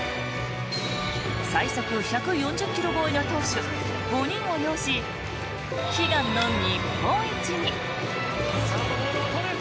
最速１４０ｋｍ超えの投手５人を擁し悲願の日本一に。